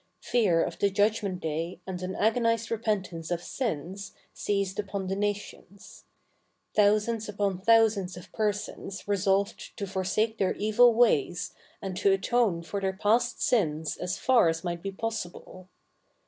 Fear of the judgment day and an agonized repentance of sins seized upon the nations. Thousands upon thousands of persons resolved to forsake their evil ways and to atone for their past sins as far as might be possible.